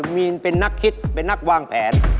มีนเป็นนักคิดเป็นนักวางแผน